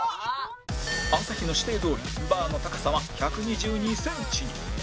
朝日の指定どおりバーの高さは１２２センチに